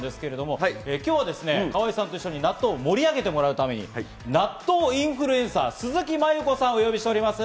今日は河合さんと一緒に、納豆を盛り上げてもらうために納豆インフルエンサー・鈴木真由子さんをお呼びしております。